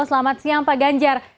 selamat siang pak ganjar